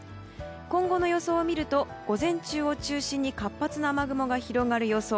今後の予想を見ると午前中を中心に活発な雨雲が広がる予想。